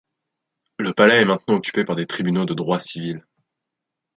Le palais est maintenant occupé par des tribunaux de droit civil.